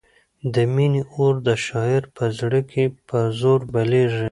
د مینې اور د شاعر په زړه کې په زور بلېږي.